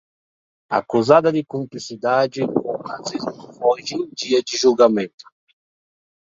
Acusada de cumplicidade com o nazismo foge em dia de julgamento